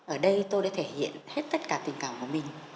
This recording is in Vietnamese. ở đây tôi đã thể hiện hết tất cả tình cảm của mình